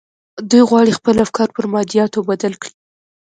دوی غواړي خپل افکار پر مادياتو بدل کړي.